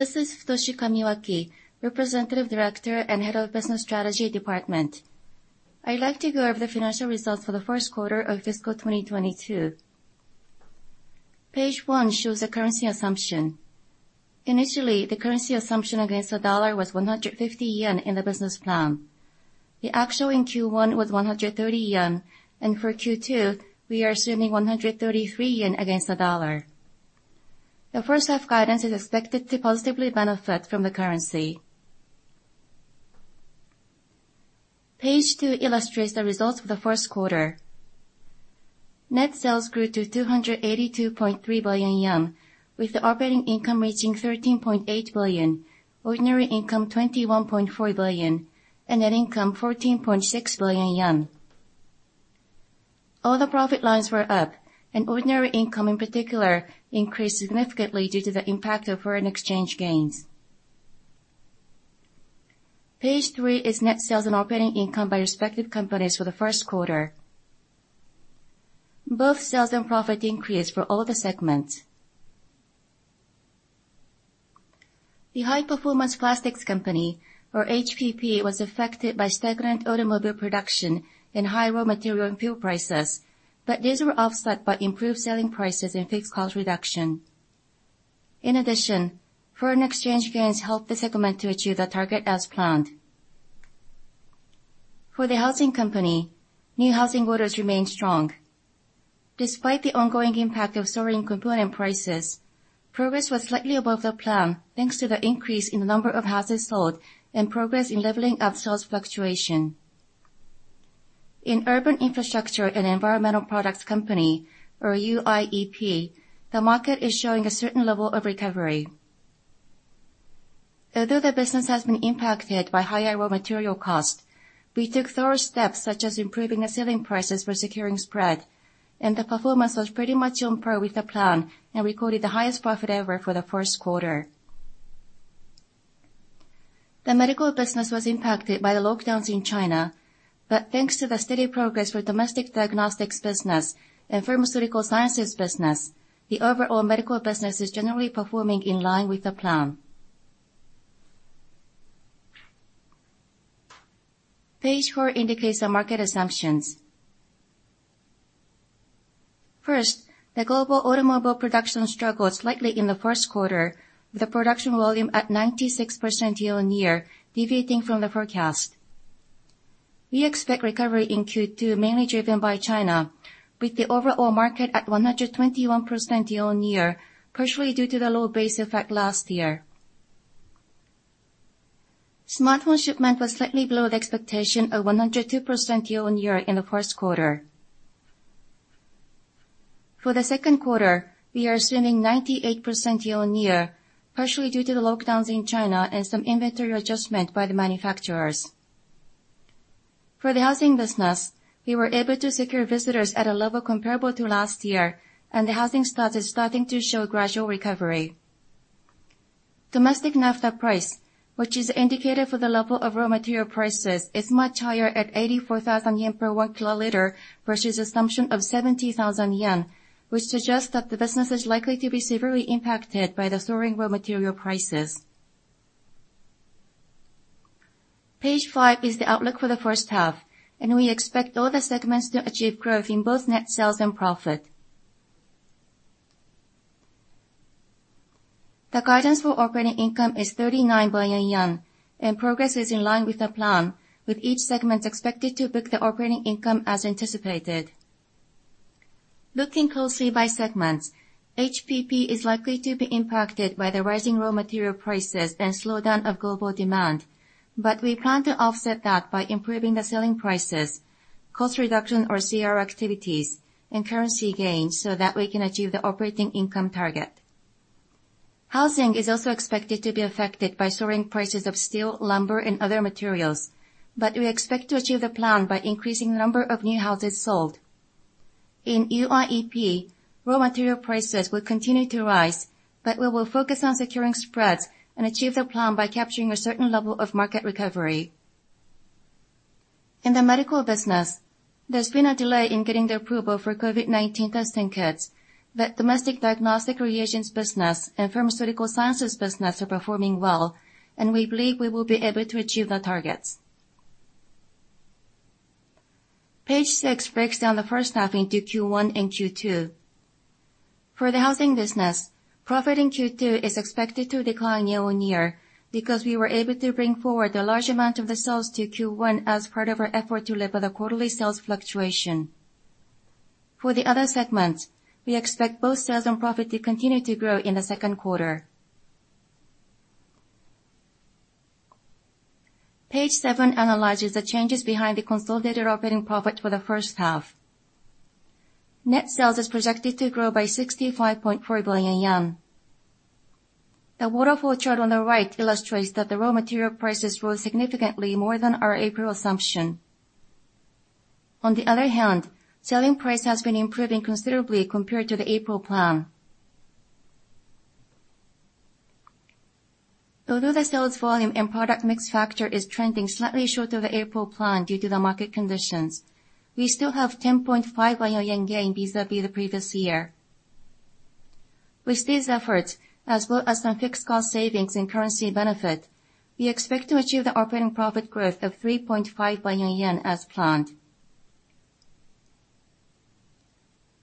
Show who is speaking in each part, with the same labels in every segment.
Speaker 1: This is Futoshi Kamiwaki, Representative Director and Head of Business Strategy Department. I'd like to go over the financial results for the first quarter of fiscal 2022. Page one shows the currency assumption. Initially, the currency assumption against the dollar was 150 yen in the business plan. The actual in Q1 was 130 yen, and for Q2, we are assuming 133 yen against the dollar. The first half guidance is expected to positively benefit from the currency. Page two illustrates the results for the first quarter. Net sales grew to 282.3 billion yen, with the operating income reaching 13.8 billion, ordinary income 21.4 billion, and net income 14.6 billion yen. All the profit lines were up, and ordinary income in particular increased significantly due to the impact of foreign exchange gains. Page three is net sales and operating income by respective companies for the first quarter. Both sales and profit increased for all the segments. The High Performance Plastics Company, or HPP, was affected by stagnant automobile production and high raw material and fuel prices, but these were offset by improved selling prices and fixed cost reduction. In addition, foreign exchange gains helped the segment to achieve the target as planned. For the Housing Company, new housing orders remained strong. Despite the ongoing impact of soaring component prices, progress was slightly above the plan, thanks to the increase in the number of houses sold and progress in leveling out sales fluctuation. In Urban Infrastructure & Environmental Products Company, or UIEP, the market is showing a certain level of recovery. Although the business has been impacted by higher raw material cost, we took thorough steps such as improving the selling prices for securing spread, and the performance was pretty much on par with the plan and recorded the highest profit ever for the first quarter. The Medical Business was impacted by the lockdowns in China, but thanks to the steady progress for domestic diagnostics business and pharmaceutical sciences business, the overall Medical Business is generally performing in line with the plan. Page four indicates the market assumptions. First, the global automobile production struggled slightly in the first quarter, with the production volume at 96% year-on-year, deviating from the forecast. We expect recovery in Q2 mainly driven by China, with the overall market at 121% year-on-year, partially due to the low base effect last year. Smartphone shipment was slightly below the expectation of 102% year-on-year in the first quarter. For the second quarter, we are assuming 98% year-on-year, partially due to the lockdowns in China and some inventory adjustment by the manufacturers. For the housing business, we were able to secure visitors at a level comparable to last year, and the housing start is starting to show gradual recovery. Domestic naphtha price, which is indicated for the level of raw material prices, is much higher at 84,000 yen per 1 kiloliter versus assumption of 70,000 yen, which suggests that the business is likely to be severely impacted by the soaring raw material prices. Page five is the outlook for the first half, and we expect all the segments to achieve growth in both net sales and profit. The guidance for operating income is JPY 39 billion, and progress is in line with the plan, with each segment expected to book the operating income as anticipated. Looking closely by segments, HPP is likely to be impacted by the rising raw material prices and slowdown of global demand, but we plan to offset that by improving the selling prices, cost reduction or CR activities, and currency gains so that we can achieve the operating income target. Housing is also expected to be affected by soaring prices of steel, lumber, and other materials, but we expect to achieve the plan by increasing the number of new houses sold. In UIEP, raw material prices will continue to rise, but we will focus on securing spreads and achieve the plan by capturing a certain level of market recovery. In the Medical Business, there's been a delay in getting the approval for COVID-19 testing kits, but domestic diagnostic reagents business and pharmaceutical sciences business are performing well, and we believe we will be able to achieve the targets. Page six breaks down the first half into Q1 and Q2. For the Housing Business, profit in Q2 is expected to decline year-on-year because we were able to bring forward a large amount of the sales to Q1 as part of our effort to level the quarterly sales fluctuation. For the other segments, we expect both sales and profit to continue to grow in the second quarter. Page seven analyzes the changes behind the consolidated operating profit for the first half. Net sales is projected to grow by 65.4 billion yen. The waterfall chart on the right illustrates that the raw material prices rose significantly more than our April assumption. On the other hand, selling price has been improving considerably compared to the April plan. Although the sales volume and product mix factor is trending slightly short of the April plan due to the market conditions. We still have 10.5 billion yen gain vis-a-vis the previous year. With these efforts, as well as some fixed cost savings and currency benefit, we expect to achieve the operating profit growth of 3.5 billion yen as planned.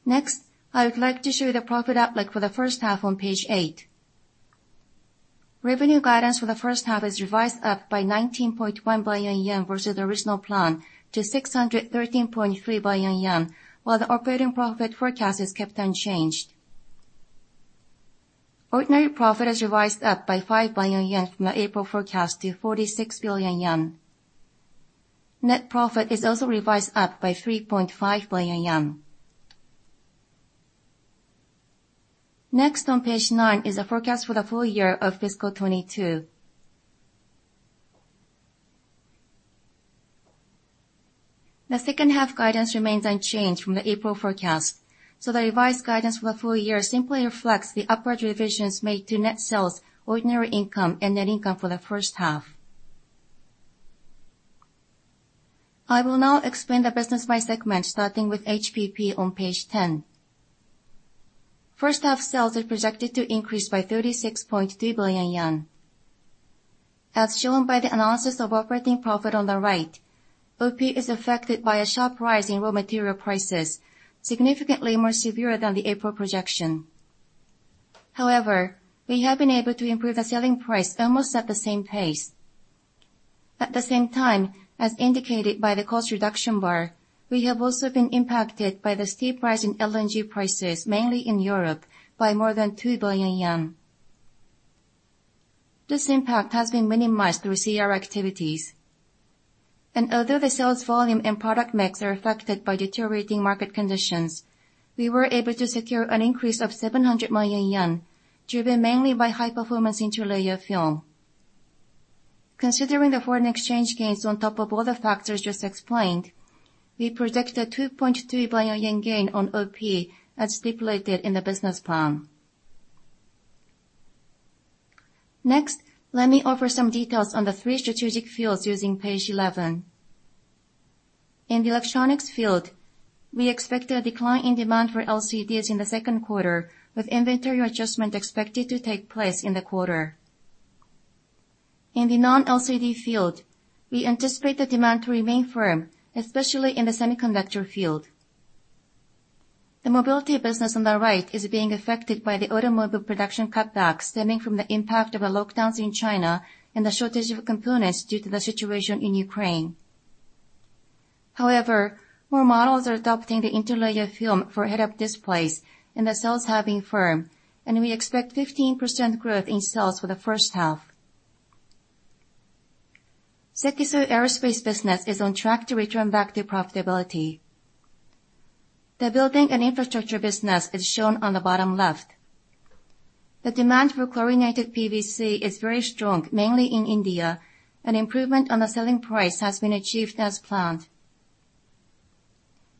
Speaker 1: Next, I would like to show you the profit outlook for the first half on page eight. Revenue guidance for the first half is revised up by 19.1 billion yen versus the original plan to 613.3 billion yen, while the operating profit forecast is kept unchanged. Ordinary profit is revised up by 5 billion yen from the April forecast to 46 billion yen. Net profit is also revised up by 3.5 billion yen. Next on page nine is a forecast for the full year of fiscal 2022. The second half guidance remains unchanged from the April forecast, so the revised guidance for the full year simply reflects the upward revisions made to net sales, ordinary income, and net income for the first half. I will now explain the business by segment, starting with HPP on page 10. First half sales is projected to increase by 36.3 billion yen. As shown by the analysis of operating profit on the right, OP is affected by a sharp rise in raw material prices, significantly more severe than the April projection. However, we have been able to improve the selling price almost at the same pace. At the same time, as indicated by the cost reduction bar, we have also been impacted by the steep rise in LNG prices, mainly in Europe, by more than 2 billion yen. This impact has been minimized through CR activities. Although the sales volume and product mix are affected by deteriorating market conditions, we were able to secure an increase of 700 million yen, driven mainly by high performance interlayer film. Considering the foreign exchange gains on top of all the factors just explained, we projected 2.2 billion yen gain on OP as stipulated in the business plan. Next, let me offer some details on the three strategic fields using page 11. In the electronics field, we expect a decline in demand for LCDs in the second quarter, with inventory adjustment expected to take place in the quarter. In the non-LCD field, we anticipate the demand to remain firm, especially in the semiconductor field. The mobility business on the right is being affected by the automobile production cutbacks stemming from the impact of the lockdowns in China and the shortage of components due to the situation in Ukraine. However, more models are adopting the interlayer film for Head-Up Displays and the sales have been firm, and we expect 15% growth in sales for the first half. Sekisui Aerospace business is on track to return back to profitability. The building and infrastructure business is shown on the bottom left. The demand for chlorinated PVC is very strong, mainly in India. An improvement on the selling price has been achieved as planned.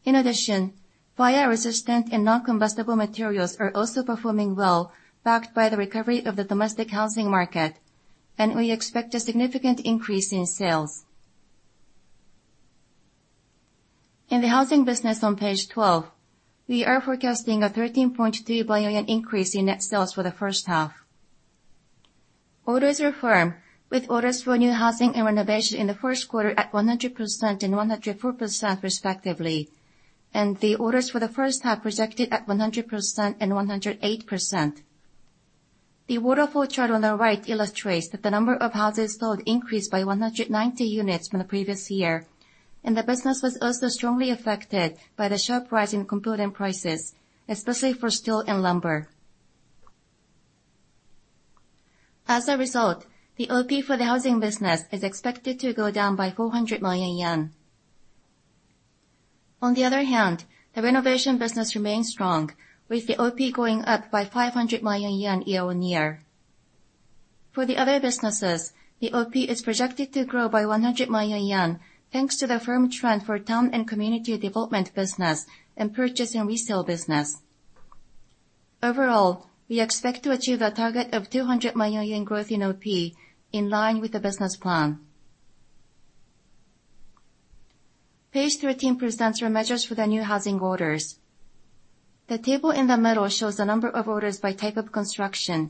Speaker 1: In addition, fire resistant and non-combustible materials are also performing well, backed by the recovery of the domestic housing market, and we expect a significant increase in sales. In the housing business on page 12, we are forecasting a 13.3 billion increase in net sales for the first half. Orders are firm, with orders for new housing and renovation in the first quarter at 100% and 104% respectively. The orders for the first half projected at 100% and 108%. The waterfall chart on the right illustrates that the number of houses sold increased by 190 units from the previous year, and the business was also strongly affected by the sharp rise in component prices, especially for steel and lumber. As a result, the OP for the housing business is expected to go down by 400 million yen. On the other hand, the renovation business remains strong, with the OP going up by 500 million yen year-on-year. For the other businesses, the OP is projected to grow by 100 million yen, thanks to the firm trend for town and community development business and purchase and resale business. Overall, we expect to achieve a target of 200 million yen growth in OP, in line with the business plan. Page 13 presents our measures for the new housing orders. The table in the middle shows the number of orders by type of construction,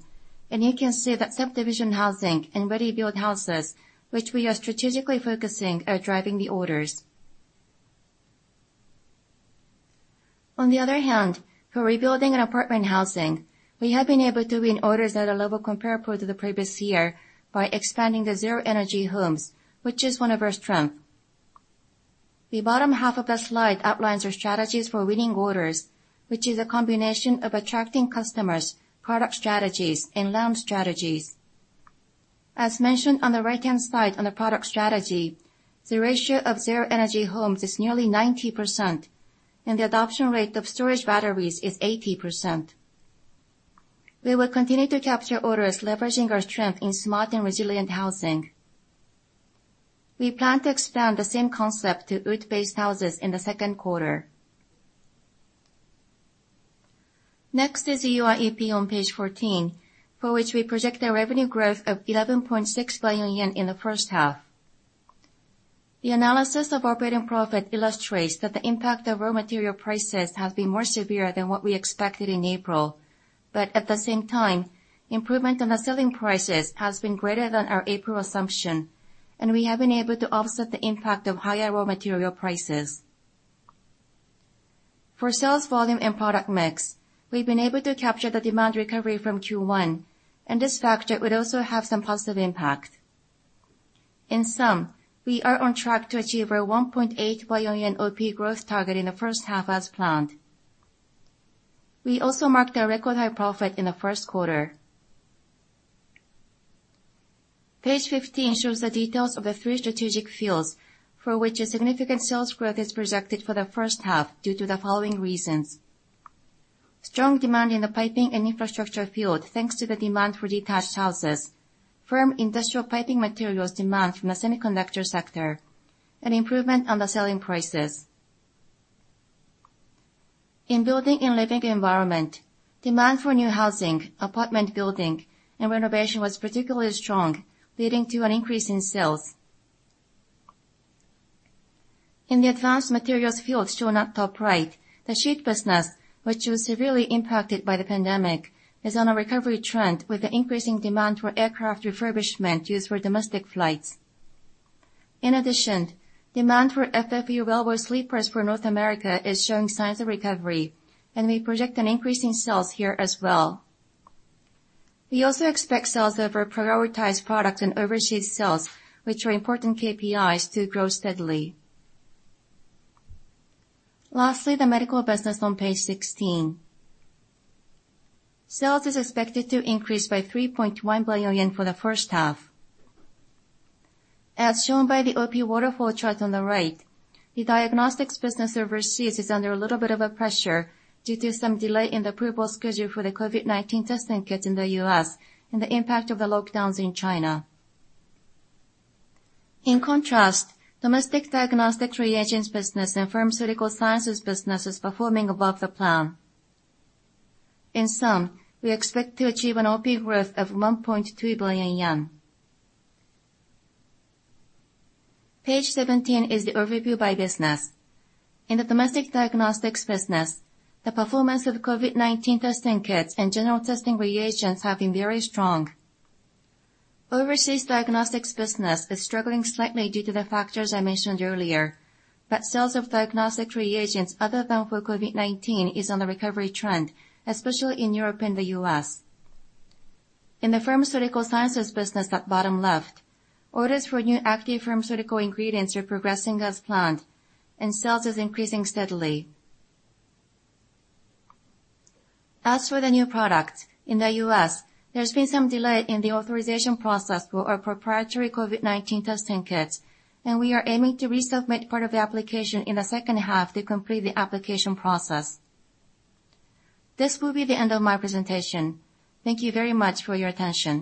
Speaker 1: and you can see that subdivision housing and ready-build houses, which we are strategically focusing, are driving the orders. On the other hand, for rebuilding and apartment housing, we have been able to win orders at a level comparable to the previous year by expanding the zero-energy homes, which is one of our strength. The bottom half of the slide outlines our strategies for winning orders, which is a combination of attracting customers, product strategies, and land strategies. As mentioned on the right-hand side on the product strategy, the ratio of zero-energy homes is nearly 90%, and the adoption rate of storage batteries is 80%. We will continue to capture orders leveraging our strength in smart and resilient housing. We plan to expand the same concept to wood-based houses in the second quarter. Next is the UIEP on page 14, for which we project a revenue growth of 11.6 billion yen in the first half. The analysis of operating profit illustrates that the impact of raw material prices has been more severe than what we expected in April. At the same time, improvement on the selling prices has been greater than our April assumption, and we have been able to offset the impact of higher raw material prices. For sales volume and product mix, we've been able to capture the demand recovery from Q1, and this factor would also have some positive impact. In sum, we are on track to achieve our 1.8 billion OP growth target in the first half as planned. We also marked a record high profit in the first quarter. Page 15 shows the details of the three strategic fields for which a significant sales growth is projected for the first half due to the following reasons. Strong demand in the piping and infrastructure field, thanks to the demand for detached houses, firm industrial piping materials demand from the semiconductor sector, and improvement on the selling prices. In building and living environment, demand for new housing, apartment building, and renovation was particularly strong, leading to an increase in sales. In the advanced materials field shown at top right, the sheet business, which was severely impacted by the pandemic, is on a recovery trend with the increasing demand for aircraft refurbishment used for domestic flights. In addition, demand for FFU railway sleepers for North America is showing signs of recovery, and we project an increase in sales here as well. We also expect sales of our prioritized products and overseas sales, which are important KPIs to grow steadily. Lastly, the medical business on page 16. Sales is expected to increase by 3.1 billion yen for the first half. As shown by the OP waterfall chart on the right, the diagnostics business overseas is under a little bit of a pressure due to some delay in the approval schedule for the COVID-19 testing kits in the U.S. and the impact of the lockdowns in China. In contrast, domestic diagnostic reagents business and pharmaceutical sciences business is performing above the plan. In sum, we expect to achieve an OP growth of 1.2 billion yen. Page 17 is the overview by business. In the domestic diagnostics business, the performance of COVID-19 testing kits and general testing reagents have been very strong. Overseas diagnostics business is struggling slightly due to the factors I mentioned earlier, but sales of diagnostic reagents other than for COVID-19 is on a recovery trend, especially in Europe and the U.S. In the pharmaceutical sciences business at bottom left, orders for new active pharmaceutical ingredients are progressing as planned, and sales is increasing steadily. As for the new product, in the U.S. there's been some delay in the authorization process for our proprietary COVID-19 testing kits, and we are aiming to resubmit part of the application in the second half to complete the application process. This will be the end of my presentation. Thank you very much for your attention.